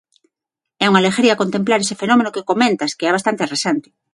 É unha alegría contemplar ese fenómeno que comentas, que é bastante recente.